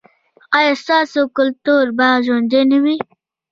ایا ستاسو کلتور به ژوندی نه وي؟